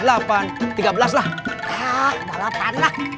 enggak delapan lah